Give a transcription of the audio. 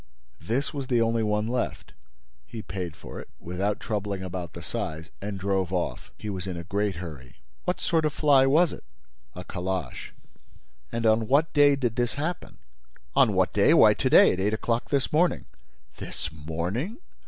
This was the only one left. He paid for it, without troubling about the size, and drove off. He was in a great hurry." "What sort of fly was it?" "A calash." "And on what day did this happen?" "On what day? Why, to day, at eight o'clock this morning." "This morning?